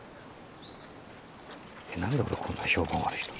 えっ何で俺こんな評判悪いの？